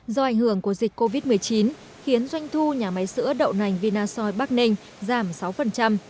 do ảnh hưởng của dịch covid một mươi chín khiến doanh thu nhà máy sữa đậu nành vinasoy bắc ninh giảm sáu